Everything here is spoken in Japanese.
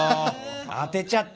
当てちゃった。